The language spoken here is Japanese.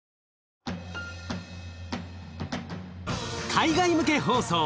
海外向け放送